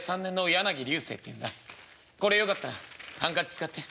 これよかったらハンカチ使って。